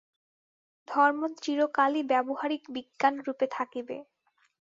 ধর্ম চিরকালই ব্যাবহারিক বিজ্ঞানরূপে থাকিবে।